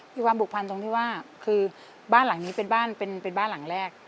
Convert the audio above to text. มีความผูกพันตรงที่ว่าคือบ้านหลังนี้เป็นบ้านเป็นบ้านหลังแรก